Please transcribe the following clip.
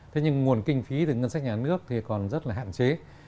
thế nhưng nguồn kinh phí từ ngân sách nhà nước thì còn rất là hạn chế